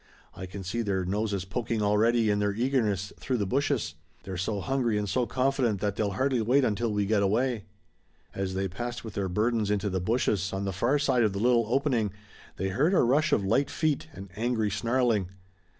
I can see their noses poking already in their eagerness through the bushes. They're so hungry and so confident that they'll hardly wait until we get away." As they passed with their burdens into the bushes on the far side of the little opening they heard a rush of light feet, and angry snarling.